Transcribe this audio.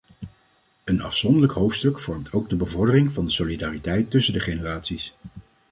Een afzonderlijk hoofdstuk vormt ook de bevordering van de solidariteit tussen de generaties.